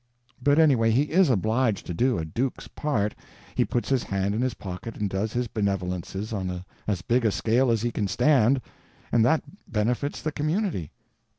But anyway, he is obliged to do a duke's part; he puts his hand in his pocket and does his benevolences on as big a scale as he can stand, and that benefits the community.